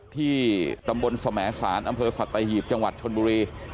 ที่ตำบลสมสารอำเภอสัตหีบจังหวัดชนบุรี